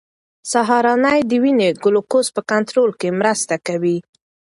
سهارنۍ د وینې ګلوکوز په کنټرول کې مرسته کوي.